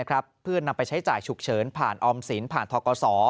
เพื่อนำไปใช้จ่ายฉุกเฉินผ่านออมสินผ่านทกศ